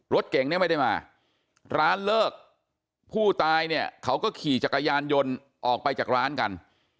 รถเก่งเนี่ยไม่ได้มาร้านเลิกผู้ตายเนี่ยเขาก็ขี่จักรยานยนต์ออกไปจากร้านกัน